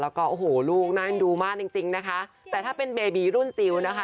แล้วก็โอ้โหลูกน่าเอ็นดูมากจริงจริงนะคะแต่ถ้าเป็นเบบีรุ่นจิลนะคะ